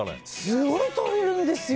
すごいとれるんですよ！